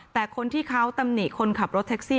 แต่คนที่เขาตำหนิคนขับรถแท็กซี่